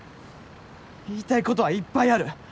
言いたいことはいっぱいある。